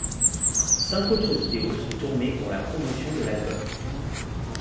Cinq autres vidéos sont tournées pour la promotion de l'album.